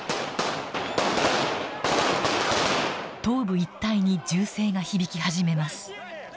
東部一帯に銃声が響き始めます。